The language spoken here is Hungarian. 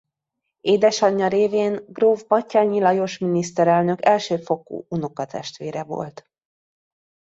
Édesanyja révén gróf Batthyány Lajos miniszterelnök elsőfokú unokatestvére volt.